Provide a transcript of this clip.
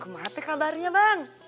kau mati kabarnya bang